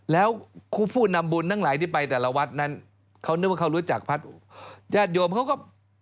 แล้วผู้นำบุญทั้งหลายที่ไปแต่ละวัดนั้นเขานึกว่าเขารู้จักพระญาติโยมเขาก็